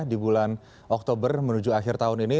di bulan oktober menuju akhir tahun ini